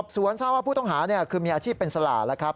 ส่วนทราบว่าผู้ต้องหาเนี่ยคือมีอาชีพเป็นศาล่ะครับ